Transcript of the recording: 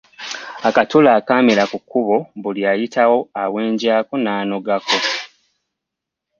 Akatula akaamera ku kkubo buli ayitawo awenjaako n’anogako.